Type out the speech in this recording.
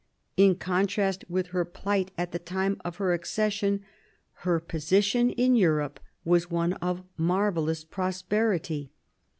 In contrast with her plight at the time of her accession, her position in Europe was one of marvellous prosperity.